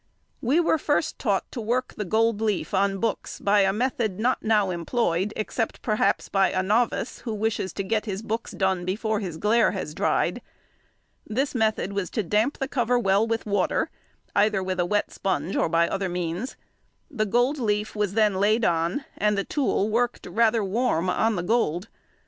—We were first taught to work the gold leaf on books by a method not now employed, except, perhaps, by a novice, who wishes to get his books done before his glaire has dried. This method was to damp the cover well with water, either with a wet sponge or by other means. The gold leaf was then laid on, and the tool worked rather warm on the gold.